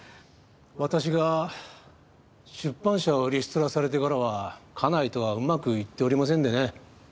私が出版社をリストラされてからは家内とはうまくいっておりませんでね。